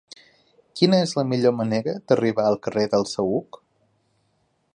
Quina és la millor manera d'arribar al carrer del Saüc?